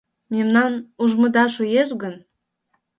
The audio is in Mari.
Мемнам ужмыда шуэш гын